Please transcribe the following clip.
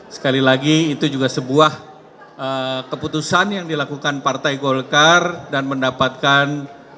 sekali lagi itu juga sebuah keputusan yang dilakukan partai golkar dan mendapatkan